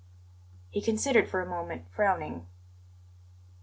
He considered for a moment, frowning.